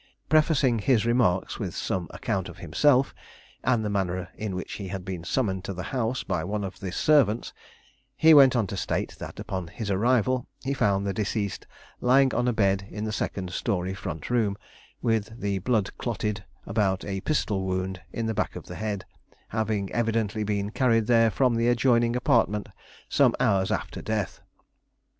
Prefacing his remarks with some account of himself, and the manner in which he had been summoned to the house by one of the servants, he went on to state that, upon his arrival, he found the deceased lying on a bed in the second story front room, with the blood clotted about a pistol wound in the back of the head; having evidently been carried there from the adjoining apartment some hours after death.